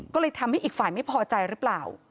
ก็เลยทำให้อีกฝ่ายไม่พอใจหรือเปล่า